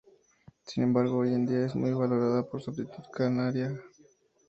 Sin embargo, hoy en día es muy valorada por su aptitud cárnica.